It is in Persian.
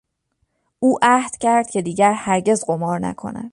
او عهدکرد که دیگر هرگز قمار نکند.